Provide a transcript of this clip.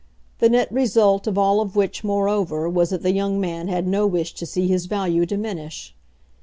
The net result of all of which, moreover, was that the young man had no wish to see his value diminish.